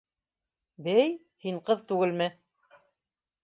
Бәй, һин ҡыҙ түгелме?